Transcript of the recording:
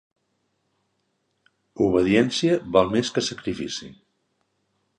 Obediència val més que sacrifici.